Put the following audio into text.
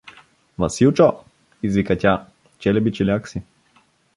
— Василчо! — извика тя — челеби, чиляк си.